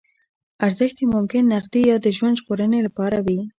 ارزښت یې ممکن نغدي یا د ژوند ژغورنې لپاره وي.